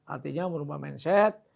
artinya merubah mindset